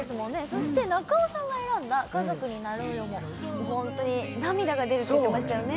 そして中尾さんが選んだ「家族になろうよ」ももうホントに涙が出るって言ってましたよね